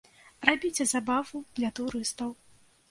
Рабіце забаву для турыстаў.